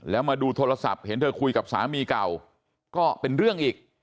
แล้วมาดูโทรศัพท์เห็นเธอคุยกับสามีเก่าก็เป็นเรื่องอีก